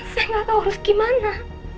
saya nggak tahu harus gimana